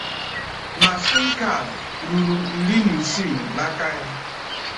nà 'sim card' ruru iri na isii n'aka ya.